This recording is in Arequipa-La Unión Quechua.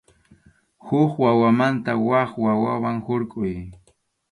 Huk hawamanta wak hawaman hurquy.